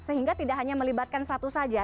sehingga tidak hanya melibatkan satu saja